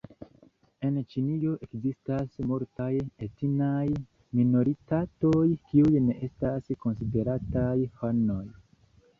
En Ĉinio ekzistas multaj etnaj minoritatoj, kiuj ne estas konsiderataj hanoj.